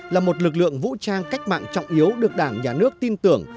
là một lực lượng vũ trang cách mạng trọng yếu được đảng nhà nước tin tưởng